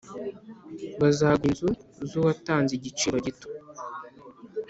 Bazagura inzu zuwatanze igiciro gito